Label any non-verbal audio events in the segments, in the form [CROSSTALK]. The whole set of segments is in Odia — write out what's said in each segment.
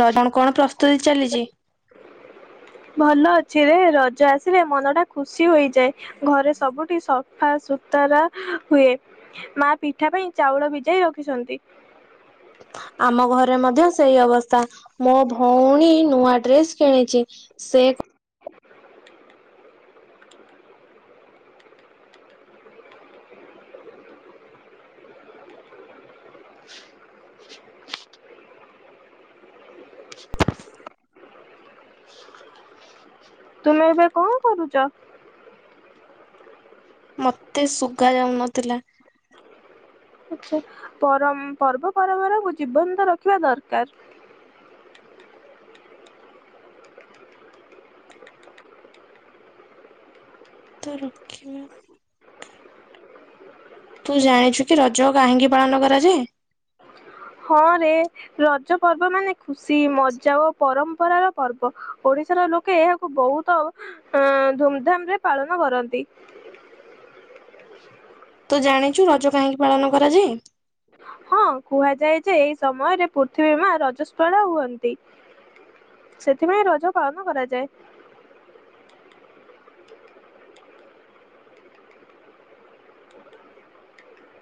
ରଜରେ କଣ ପ୍ରସ୍ତୁତି ଚାଲିଛି। ଭଲ ଅଛି ରେ ରଜ ଆସିଲେ ମନ ଟା ଖୁସି ହୋଇଯାଏ। ଘରେ ସବୁଠି ସଫା ସୁତରା ହୁଏ। ମା ପିଠା ପାଇଁ ଚାଉଳ ଭିଯାଇ ରଖିଛନ୍ତି। ଆମ ଘରେ ମଧ୍ୟ ସେଇ ଅବସ୍ଥା। ମୋ ଭଉଣୀ ନୂଆ ଡ୍ରେସ୍ କିଣିଛି ସେ [INAUDIBLE] [INAUDIBLE] [INAUDIBLE] ତୁମେ ଏବେ କଣ କରୁଛ। ମତେ ଶୁଭା ଯାଉନଥିଲା। ଆଛା ପର ପର୍ବପମ୍ବରାକୁ ଜୀବନ୍ତ ରଖିବା ଦରକାର। ତ ରଖିବା। ତୁ ଜାଣିଛୁ କି ରଜ କାହିଁକି ପାଳନ କରାଯାଏ? ହଁ ରେ। ରଜ ପର୍ବ ମାନେ ଖୁସି ମଜା ଓ ପରମ୍ପରାର ପର୍ବ ଓଡିଶାର ଲୋକେ ବହୁତ ଅ ଧୁମଧାମ ରେ ପାଳନ କରନ୍ତି। ତୁ ଜାଣିଛୁ ରଜ କାହିଁକି ପାଳନ କରାଯାଏ? ହଁ କୁହାଯାଏ ଯେ ଏଇ ସମୟରେ ପୃଥିବୀ ମା ରଜସ୍ପଳା ହୁଅନ୍ତି। ସେଥିପାଇଁ ରଜ ପାଳନ କରାଯାଏ।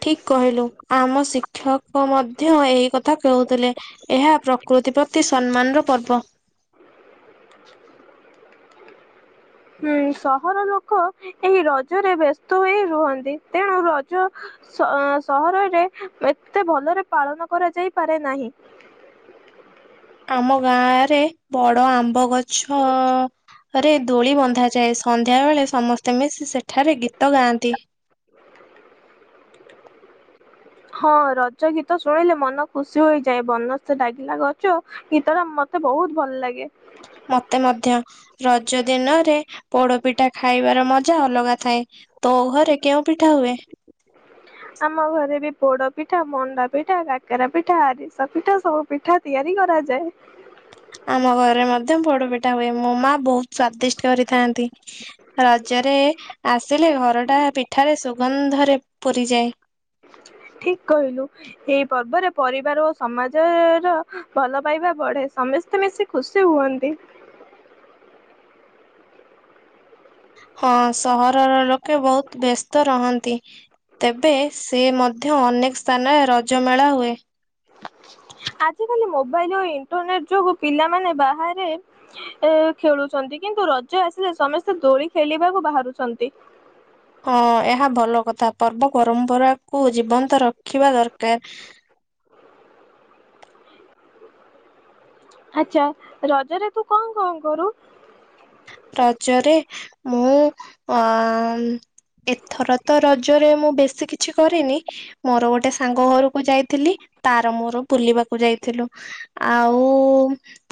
ଠିକ କହିଲୁ ଆମ ଶିକ୍ଷକ ମଧ୍ୟ ଏହି କ ଏହି କଥା କହୁଥିଲେ ଏହା ପ୍ରକୃତି ପ୍ରତି ସମ୍ମାନର ପର୍ବ। [INAUDIBLE] ଉଁ ସହର ଲୋକ ଏହି ରଜରେ ବ୍ୟସ୍ତ ହୋଇ ରୁହନ୍ତି ତେଣୁ ରଜ ସହରରେ ଏତେ ଭଲରେ ପାଳନ କରାଯାଇପାରେ ନାହିଁ। ଆମ ଗାଁ ରେ ବଡ ଆମ୍ବ ଗଛ ଆରେ ଦୋଳି ବନ୍ଧାଯାଏ, ସନ୍ଧ୍ୟାବେଳେ ସମସ୍ତେ ମିଶି ସେଠାରେ ଗୀତ ଗାଆନ୍ତି। ହଁ ରଜ ଗୀତ ଶୁଣିଲେ ମନ ଖୁସି ହୋଇଯାଏ, ବନସ୍ତେ ଡାକିଲା ଗଜ। ଗୀତଟା ମତେ ବହୁତ ଭଲ ଲାଗେ। ମତେ ମଧ୍ୟ, ରଜ ଦିନରେ ପୋଡ଼ପିଠା ଖାଇବାର ମଜା ଅଲଗା ଥାଏ। ତୋ ଘରେ କେଉଁ ପିଠା ହୁଏ? ଆମ ଘରେ ବି ପୋଡ଼ ପିଠା, ମଣ୍ଡା ପିଠା, କାକେରା ପିଠା, ଆରିସା ପିଠା, ସବୁ ପିଠା ତିଆରି କରାଯାଏ। ଆମ ଘରେ ମଧ୍ୟ ପୋଡ଼ ପିଠା ହୁଏ, ମୋ ମା ବହୁତ ସ୍ଵାଦିଷ୍ଟ କରିଥାନ୍ତି। ରଜରେ ଆସିଲେ ଘରଟା ପିଠାରେ ସୁଗନ୍ଧରେ ପୁରିଯାଏ। ଠିକ୍ କହିଲୁ। ଏଇ ପର୍ବରେ ପରିବାର ଓ ସମାଜର ଭଲ ପାଇବା ବଢେ, ସମସ୍ତେ ମିଶି ଖୁସି ହୁଅନ୍ତି। ହଁ ସହରର ଲୋକେ ବହୁତ ବ୍ୟସ୍ତ ରହନ୍ତି। ତେବେ ସେ ମଧ୍ୟ ଅନେକ ସ୍ଥାନରେ ରଜମେଳା ହୁଏ। ଆଜିକାଲି ମୋବାଇଲ୍ ଓ ଇଣ୍ଟରନେଟ ଯୋଗୁ ପିଲାମାନେ ବାହାରେ ଏ ଖେଳୁଛନ୍ତି କିନ୍ତୁ ରଜ ଆସିଲେ ସମସ୍ତେ ଦୋଳି ଖେଳିବାକୁ ବାହାରୁଛନ୍ତି। ହଁ ଏହା ଭଲ କଥା, ପର୍ବ ପରମ୍ପରାକୁ ଜୀବନ୍ତ ରଖିବା ଦରକାର। ଆଚ୍ଛା ରଜରେ ତୁ କଣ କଣ କରୁ? ରାଜରେ ମୁଁ ଅଁ ଏଥର ତ ରଜରେ ମୁଁ ବେଶୀ କିଛି କରିନି। ମୋର ଗୋଟେ ସାଙ୍ଗ ଘରକୁ ଯାଇଥିଲି ତାର ମୋର ବୁଲିବାକୁ ଯାଇଥିଲୁ। ଆଉ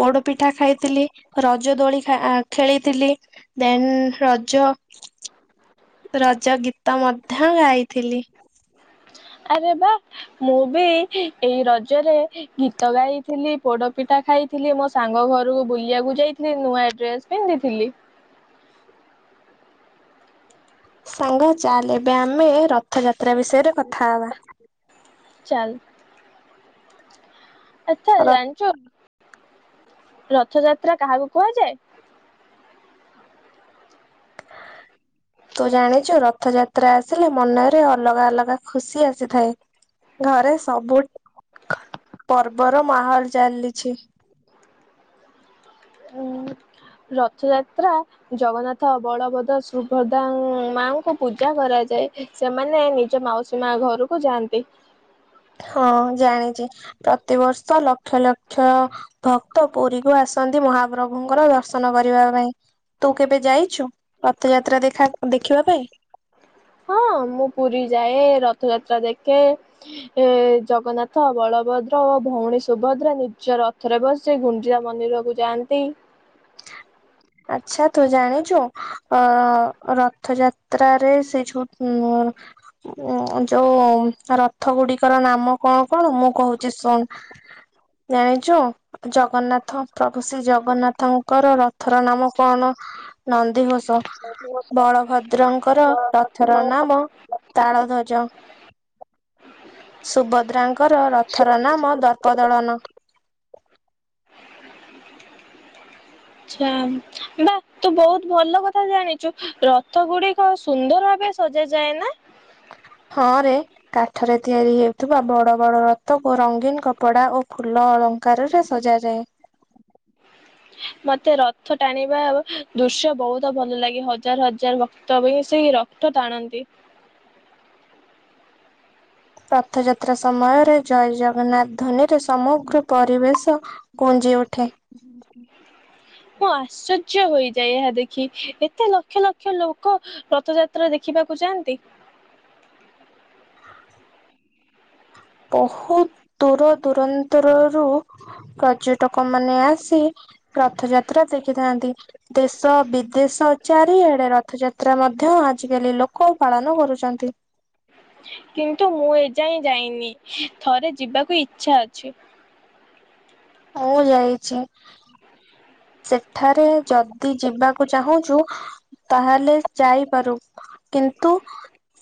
ପୋଡ଼ପିଠା ଖାଇଥିଲି, ରଜ ଦୋଳି ଖା ଆ ଖେଳିଥିଲି, ଦେନ୍ ରଜ ରଜ ଗୀତ ମଧ୍ୟ ଗାଇଥିଲି। ଆରେ ବା! ମୁଁ ବି ଏଇ ରଜରେ ଗୀତ ଗାଇଥିଲି, ପୋଡ଼ପିଠା ଖାଇ ଥିଲି, ମୋ ସାଙ୍ଗ ଘରକୁ ବୁଲିବାକୁ ଯାଇଥିଲି, ନୂଆ ଡ୍ରେସ୍ ପିନ୍ଧିଥିଲି। ସାଙ୍ଗ ଚାଲ୍ ଏବେ ଆମେ ରଥଯାତ୍ରା ବିଷୟରେ କଥା ହବା। ଚାଲ୍। ଆଚ୍ଛା ର ଜାଣିଛୁ ରଥଯାତ୍ରା କାହାକୁ କୁହାଯାଏ? ତୁ ଜାଣିଚୁ ରଥଯାତ୍ରା ଆସିଲେ ମନରେ ଅଲଗା ଅଲଗା ଖୁସି ଆସିଥାଏ। ଘରେ ସବୁ [INAUDIBLE] ପର୍ବର ମାହୋଲ୍ ଚାଲିଛି। [INAUDIBLE] ଉଁ ରଥଯାତ୍ରା ଜଗନ୍ନାଥ, ବଳଭଦ୍ର, ସୁଭ୍ରଦା ମାଆଙ୍କୁ ପୂଜା କରାଯାଏ। ସେମାନେ ନିଜ ମାଉସୀ ମା ଘରକୁ ଯାଆନ୍ତି। ହଁ ଜାଣିଚି, ପ୍ରତିବର୍ଷ ଲକ୍ଷ ଲକ୍ଷ ଭକ୍ତ ପୁରୀକୁ ଆସନ୍ତି ମହାପ୍ରଭୁଙ୍କର ଦର୍ଶନ କରିବା ପାଇଁ। ତୁ କେବେ ଯାଇଛୁ ରଥଯାତ୍ରା ଦେଖା ଦେଖିବା ପାଇଁ? ହଁ ମୁଁ ପୁରୀ ଯାଏ ରଥଯାତ୍ରା ଦେଖେ। ଏ ଜଗନ୍ନାଥ, ବଳଭଦ୍ର ଓ ଭଉଣୀ ସୁଭଦ୍ରା ନିଜ ରଥରେ ବସି ସେ ଗୁଞ୍ଜିରା ମନ୍ଦିରକୁ ଯାଆନ୍ତି। ଆଚ୍ଛା ତୁ ଜାଣିଚୁ ଅ ରଥଯାତ୍ରାରେ ସେ ଯୋଉ ଉଁ ଉଁ ଯୋଉ ରଥ ଗୁଡିକର ନାମ କଣ କଣ ମୁଁ କହୁଛି ଶୁଣ। ଜାଣିଚୁ ଜଗନ୍ନାଥ ପ୍ରଭୁ ଶ୍ରୀ ଜଗନ୍ନାଥଙ୍କର ରଥର ନାମ କଣ? ନନ୍ଦିଘୋଷ। ବଳଭଦ୍ରଙ୍କର ରଥର ନାମ ତାଳଧ୍ୱଜ। ସୁଭଦ୍ରାଙ୍କର ରଥର ନାମ ଦର୍ପଦଳନ। [INAUDIBLE] ଶ୍ୟାମ୍ ବାଃ ତୁ ବହୁତ ଭଲ କଥା ଜାଣିଚୁ। ରଥ ଗୁଡ଼ିକ ସୁନ୍ଦର ଭାବେ ସଜା ଯାଏ ନାଁ। ହଁ ରେ। କାଠରେ ତିଆରି ହେଉଥିବା ବଡ଼ ବଡ ରଥକୁ ରଙ୍ଗୀନ କପଡ଼ା ଓ ଫୁଲ ଦାନୀ ଘରରେ ସଜା ଯାଏ। ମତେ ରଥ ଟାଣିବାଳୁ ଦୃଶ୍ୟ ବହୁତ ଭଲ ଲାଗେ। ହଜାର ହଜାର ଭକ୍ତ ମିଶି କି ରଥ ରଥ ଟାଣନ୍ତି। ରଥଯାତ୍ରା ସମୟରେ ଜୟ ଜଗନ୍ନାଥ ଧ୍ୱନିରେ ସମଗ୍ର ପରିବେଶ ଙ୍କୁ ଯେଉଁଠି ହୁଁ ମୁଁ ଆଶ୍ଚର୍ଯ୍ୟ ହୋଇଯାଏ ଏହା ଦେଖି। ଏତେ ଲକ୍ଷ ଲକ୍ଷ ଲୋକ ରଥଯାତ୍ରା ଦେଖିବାକୁ ଯାଆନ୍ତି। ବହୁତ୍ ଦୂର ଦୂରାନ୍ତରରୁ ପର୍ଯ୍ୟଟକ ମାନେ ଆସି ରଥଯାତ୍ରା ଦେଖିଥାନ୍ତି। ଦେଶ ବିଦେଶ ଚାରିଆଡ଼େ ରଥଯାତ୍ରା ମଧ୍ୟ ଆଜିକାଲି ଲୋକ ପାଳନ କରୁଚନ୍ତି। କିନ୍ତୁ ମୁଁ ଏ ଯାଏଁ ଯାଇନି। ଥରେ ଯିବାକୁ ଇଚ୍ଛା ଅଛି। ଆଉ ଜାଣିଛି। ହୁଁ ସେଠାରେ ଯଦି ଯିବାକୁ ଚାହୁଁଚୁ ତାହେଲେ ଯାଇପାରୁ। କିନ୍ତୁ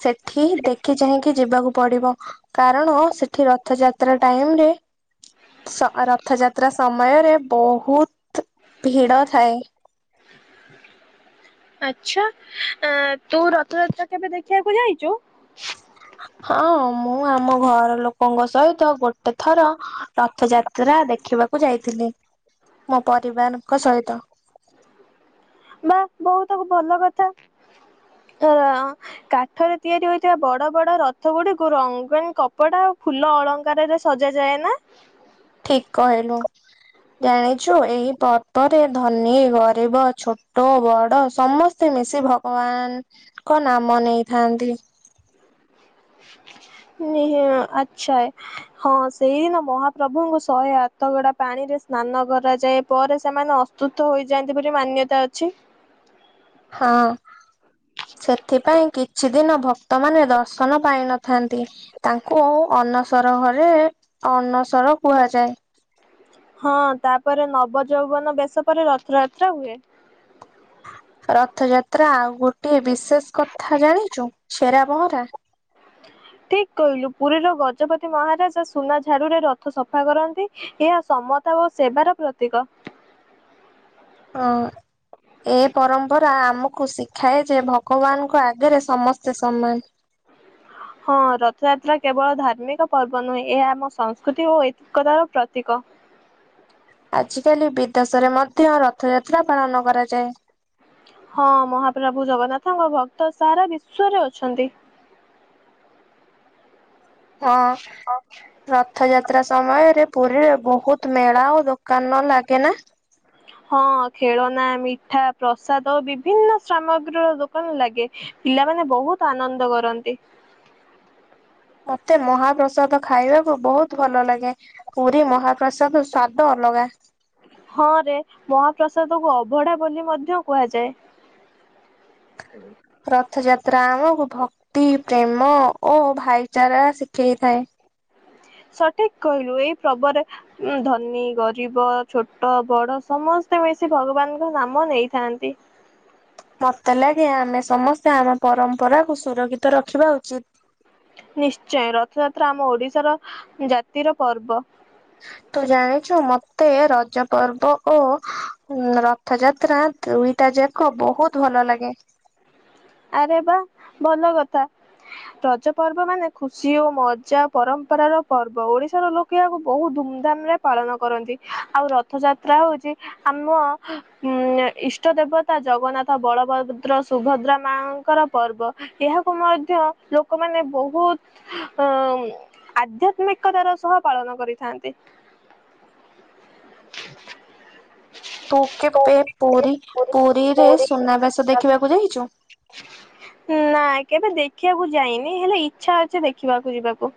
ସେଠି ଦେଖି ଚାହିଁ କି ଯିବାକୁ ପଡ଼ିବ। କାରଣ ସେଠି ରଥଯାତ୍ରା ଟାଇମରେ ସ୍ ରଥଯାତ୍ରା ସମୟରେ ବହୁତ ଭିଡ଼ ଥାଏ। ଆଚ୍ଛା ତୁ ରଥଯାତ୍ରା କେବେ ଦେଖିବାକୁ ଯାଇଚୁ? ହଁ ମୁଁ ଆମ ଘର ଲୋକଙ୍କ ସହିତ ଗୋଟେ ଥର ର ରଥଯାତ୍ରା ଦେଖିବାକୁ ଯାଇଥିଲି। ମୋ ପରିବାରଙ୍କ ସହିତ। ବାଃ ବାଃ ବହୁତ ଭଲ କଥା। କାଠରେ ତିଆରି ହୋଇଥିବା ବଡ଼ ବଡ଼ ରଥ ଗୁଡ଼ିକୁ ରଙ୍ଗିନ୍ କପଡ଼ା ଆଉ ଫୁଲ ଅଳଙ୍କାରରେ ସଜା ଯାଏ ନାଁ। ଠିକ୍ କହିଲୁ। ଜାଣିଛୁ ଏହି ପର୍ବରେ ଧନୀ ଗରିବ ଛୋଟ ବଡ଼ ସମ୍ ସମସ୍ତେ ମିଶି ଭଗବାନଙ୍କ ନାମ ନେଇଥାନ୍ତି। ହ ନିହିମା ଆଚ୍ଛା ଏ। ହଁ ସେହିଦିନ ମହାପ୍ରଭୁଙ୍କୁ ଶହେ ଆଠ ଗରା ପାଣିରେ ସ୍ନାନ କରାଯାଏ। ପରେ ସେମାନେ ତୁତ ହୋଇଯାଆନ୍ତି ବୋଲି ମାନ୍ୟତା ଅଛି। ହଁ ସେଥିପାଇଁ କିଛି ଦିନ ଭକ୍ତମାନେ ଦର୍ଶନ ପାଇନଥାନ୍ତି। ତାଙ୍କୁ ଅନସର ଘରେ ଅନସର କୁହାଯାଏ। ହଁ ତାପରେ ନବ ଯୌବନ ବେଶ ପରେ ରଥଯାତ୍ରା ହୁଏ। ରଥଯାତ୍ରା ଆଉ ଗୋଟେ ବିଶେଷ କଥା ଜାଣିଚୁ ଛେରା ପହଁରା। ଠିକ କହିଲୁ ପୁରୀର ଗଜପତି ମହାରାଜା ସୁନା ଝାଡ଼ୁରେ ରଥ ସଫା କରନ୍ତି। ଏହା ସମତା ଓ ସେବାର ପ୍ରତୀକ। ହଁ। ଏ ପରମ୍ପରା ଆମକୁ ଶିଖାଏ ଯେ ଭଗବାନଙ୍କ ଆଗରେ ସମସ୍ତେ ସମାନ। ହଁ ରଥଯାତ୍ରା କେବଳ ଧାର୍ମିକ ପର୍ବ ନୁହେଁ ଏହା ଆମ ସଂସ୍କୃତି ଓ ଐତିକତାର ପ୍ରତୀକ। ଆଜିକାଲି ବିଦେଶରେ ମଧ୍ୟ ରଥଯାତ୍ରା ପାଳନ କରାଯାଏ। ହଁ ମହାପ୍ରଭୁ ଜଗନ୍ନାଥଙ୍କ ଭକ୍ତ ସାରା ବିଶ୍ଵରେ ଅଛନ୍ତି। ହଁ। ରଥଯାତ୍ରା ସମୟରେ ପୁରୀରେ ବହୁତ ମେଳା ଓ ଦୋକାନ ଲାଗେ ନା? ହଁ ଖେଳନା, ମିଠା, ପ୍ରସାଦ ବିଭିନ୍ନ ସାମଗ୍ରୀର ଦୋକାନ ଲାଗେ। ପିଲାମାନେ ବହୁତ ଆନନ୍ଦ କରନ୍ତି। ମତେ ମହାପ୍ରସାଦ ଖାଇବାକୁ ବହୁତ ଭଲ ଲାଗେ। ପୁରୀ ମହାପ୍ରସାଦ ସ୍ଵାଦ ଅଲଗା। ହଁ ରେ ମହାପ୍ରସାଦକୁ ଅଭଢା ବୋଲି ମଧ୍ୟ କୁହାଯାଏ। [INAUDIBLE] ରଥଯାତ୍ରା ଆମକୁ ଭକ୍ତି, ପ୍ରେମ ଓ ଭାଇଚାରା ଶିଖେଇଥାଏ। ସଠିକ କହିଲୁ ଏଇ ପର୍ବରେ ଉ ଧନୀ, ଗରିବ, ଛୋଟ, ବଡ ସମସ୍ତେ ମିଶି ଭଗବାନଙ୍କ ନାମ ନେଇଥାନ୍ତି। ମତେ ଲାଗେ ଆମେ ସମସ୍ତେ ଆମ ପରମ୍ପରାକୁୁ ସୁରକ୍ଷିତ ରଖିବା ଉଚିତ୍। ନିଶ୍ଚୟ ରଥଯାତ୍ରା ଆମ ଓଡିଶାର ଜାତିର ପର୍ବ। ତୁ ଜାଣିଛୁ ମତେ ରଜ ପର୍ବ ଓ ରଥଯାତ୍ରା ଦୁଇଟା ଯାକ ବହୁତ ଭଲ ଲାଗେ। ଆରେ ବା ଭଲ କଥା! ରଜ ପର୍ବ ମାନେ ଖୁସି ଓ ମଜା ପରମ୍ପରର ପର୍ବ ଓଡିଶାର ଲୋକ କେଆକୁ ବହୁତ ଧୁମଧାମ ରେ ପାଳନ କରନ୍ତି। ଆଉ ରଥଯାତ୍ରା ହଉଛି ଆମ ଉଁ ଇଷ୍ଟ ଦେବତା ଜଗନ୍ନାଥ, ବଳଭଦ୍ର, ସୁଭଦ୍ରା ମାଙ୍କର ପର୍ବ। ଏହାକୁ ମଧ୍ୟ ଲୋକମାନେ ବହୁତ ଅଉମ୍ ଆଧ୍ୟାତ୍ମିକତାର ସହ ପାଳନ କରିଥାନ୍ତି। [INAUDIBLE] ତୁ କେବେ ପୁରୀ ପୁରୀରେ ସୁନାବେଶ ଦେଖିବାକୁ ଯାଇଛୁ? ନା କେବେ ଦେଖିବାକୁ ଯାଇନି, ହେଲେ ଇଚ୍ଛା ଅଛି ଦେଖିବାକୁ ଯିବାକୁ।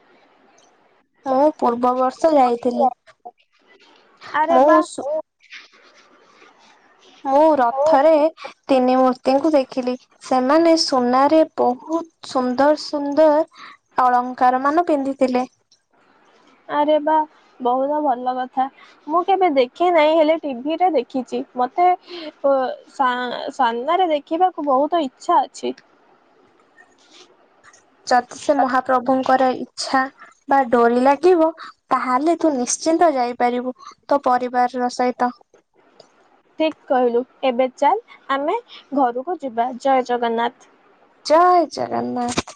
ମୁଁ ପୂର୍ବ ବର୍ଷ ଯାଇଥିଲି। ଆରେ ମୁଁ ବା ସୁ ମୁଁ ରଥରେ ତିନି ମୂର୍ତ୍ତିଙ୍କୁ ଦେଖିଲି। ସେମାନେ ସୁନାରେ ବହୁତ ସୁନ୍ଦର ସୁନ୍ଦର ଅଳଙ୍କାର ମାନ ପିନ୍ଧିଥିଲେ। ଆରେ ବା ବହୁତ ଭଲ କଥା। ମୁଁ କେବେ ଦେଖି ନାହିଁ ହେଲେ ଟିଭିରେ ଦେଖିଛି, ମତେ ଓ ସା ସାମ୍ନାରେ ଦେଖିବାକୁ ବହୁତ ଇଛା ଅଛି। ଯଦି ସେ ମହାପ୍ରଭୁଙ୍କର ଇଚ୍ଛା ବା ଡୋରି ଲାଗିବ ତାହେଲେ ତୁ ନିଶ୍ଚିନ୍ତ ଯାଇପାରିବୁ ତୋ ପରିବାରର ସହିତ। ଠିକ କହିଲୁ ଏବେ ଚାଲ ଆମେ ଘରକୁ ଯିବା ଜୟ ଜଗନ୍ନାଥ। ଜୟ ଜଗନ୍ନାଥ।